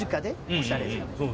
おしゃれですね。